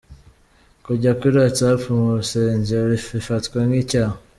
Kujya kuri Whatsapp mu rusengero bifatwa nk'icyaha.